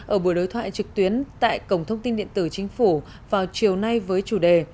ở buổi đối thoại trực tuyến tại cổng thông tin điện tử chính phủ vào chiều nay với chủ đề